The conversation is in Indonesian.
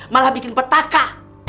malah bikin petaka